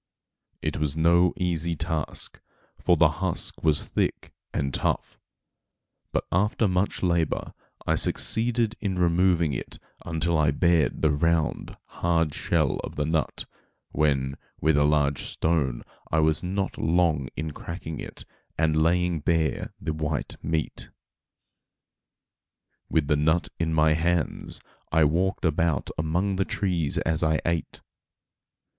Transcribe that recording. It was no easy task, for the husk was thick and tough; but after much labor I succeeded in removing it until I bared the round, hard shell of the nut, when, with a large stone I was not long in cracking it, and laying bare the white meat. With the nut in my hands I walked about among the trees as I ate.